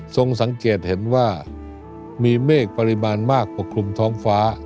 สังเกตเห็นว่ามีเมฆปริมาณมากปกคลุมท้องฟ้า